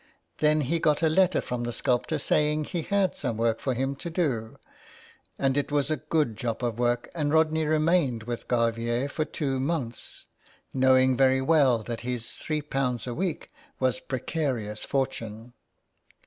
Then he got a letter from the sculptor saying he had some work for him to do ; and it was a good job of work, and Rodney remained with Garvier for two months, knowing very well that his three pounds a week was precarious fortune.